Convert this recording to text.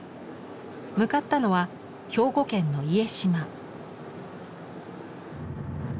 向かったのは兵庫県の家島。